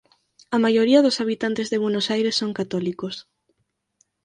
A maioría dos habitantes de Buenos Aires son católicos.